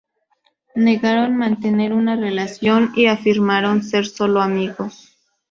Negaron mantener una relación y afirmaron ser solo amigos.